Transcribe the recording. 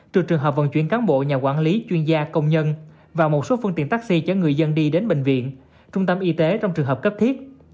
trừ trường hợp vận chuyển cán bộ nhà quản lý chuyên gia công nhân và một số phương tiện taxi chở người dân đi đến bệnh viện trung tâm y tế trong trường hợp cấp thiết